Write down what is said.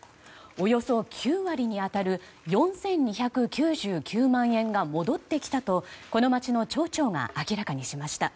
およそ９割に当たる４２９９万が戻ってきたとこの町の町長が明らかにしました。